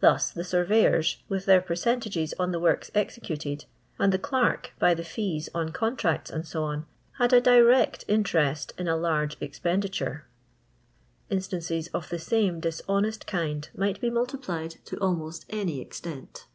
Thus the sorvejorf, n ith their percent ; ages on the works executed, and the clerk, bj the fees on contracts, &c, had a dirtci itUerest in a largi exptHdilure," Instances of the same dishonest kind might be \ moiti plied to almost any extent.